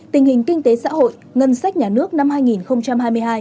tình hình kinh tế xã hội ngân sách nhà nước năm hai nghìn hai mươi hai